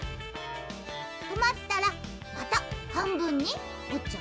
とまったらまたはんぶんにおっちゃうの？